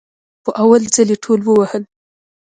په اول ځل يي ټول ووهل